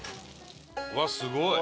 うわすごい！